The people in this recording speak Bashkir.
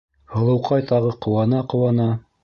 Һылыуҡай тағы ҡыуана-ҡыуана: